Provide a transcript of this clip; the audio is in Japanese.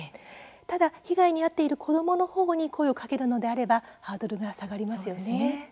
ただ、被害に遭っている子どもの方に声をかけるのであればハードルが下がりますよね。